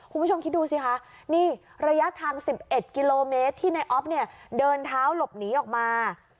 คุณผู้ชมคิดดูสิคะนี่ระยะทาง๑๑กิโลเมตรที่ในออฟเนี่ยเดินเท้าหลบหนีออกมา